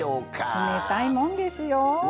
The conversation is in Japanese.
冷たいもんですよ。